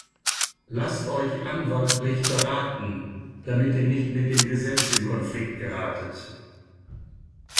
Lasst euch anwaltlich beraten, damit ihr nicht mit dem Gesetz in Konflikt geratet.